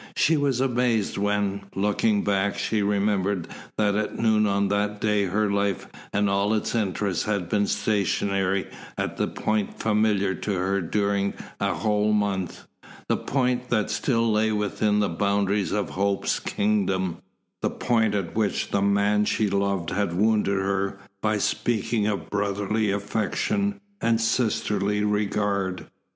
She was amazed when, looking back, she remembered that at noon on that day her life and all its interests had been stationary at the point familiar to her during a whole month, the point that still lay within the boundaries of hope's kingdom, the point at which the man she loved had wounded her by speaking of brotherly affection and sisterly regard.